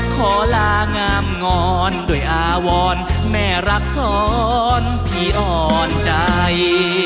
ขอลางามงอนด้วยอาวรแม่รักษรพี่อ่อนใจ